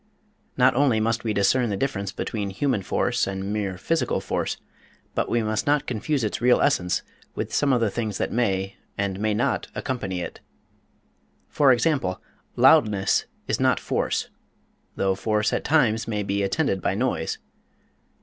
Not only must we discern the difference between human force and mere physical force, but we must not confuse its real essence with some of the things that may and may not accompany it. For example, loudness is not force, though force at times may be attended by noise.